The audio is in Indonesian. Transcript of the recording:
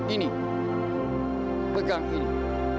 ini pegang ini